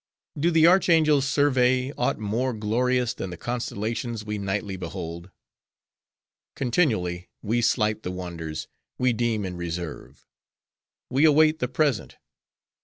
Do the archangels survey aught more glorious than the constellations we nightly behold? Continually we slight the wonders, we deem in reserve. We await the present.